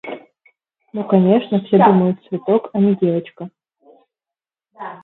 Ну конечно, все думают – цветок, а не девочка.